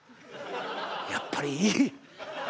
やっぱりいい！